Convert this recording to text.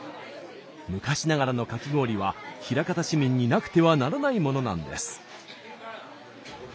昔ながらのかき氷は枚方市民になくてはならないものなんです。